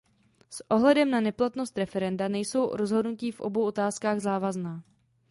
S ohledem na neplatnost referenda nejsou rozhodnutí v obou otázkách závazná.